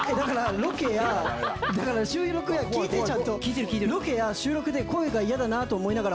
「ロケや収録で声が嫌だなと思いながら